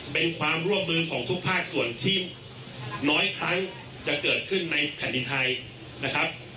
เป็นความร่วมมือของทุกภาคส่วนที่น้อยครั้งจะเกิดขึ้นในแผ่นดินไทยนะครับ